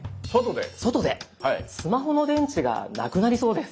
外でスマホの電池がなくなりそうです。